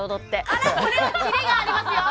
あらこれはキレがありますよ。